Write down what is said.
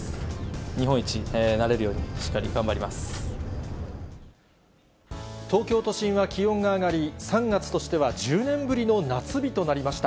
日本一になれるように、しっかり東京都心は気温が上がり、３月としては、１０年ぶりの夏日となりました。